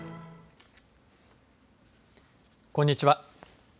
こんにちは。